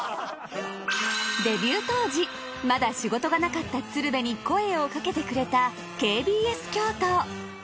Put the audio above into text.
デビュー当時まだ仕事がなかった鶴瓶に声をかけてくれたＫＢＳ京都。